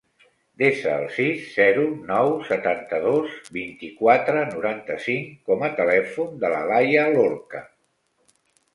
Desa el sis, zero, nou, setanta-dos, vint-i-quatre, noranta-cinc com a telèfon de l'Alaia Lorca.